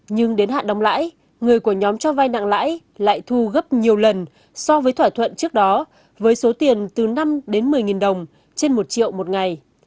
nhưng đến hạn đóng lãi người của nhóm cho vai nặng lãi lại thu gấp nhiều lần so với thỏa thuận trước đó với số tiền từ năm đến một mươi đồng trên một triệu một ngày